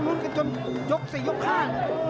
ลุ้นกันจนยกสี่ยกห้า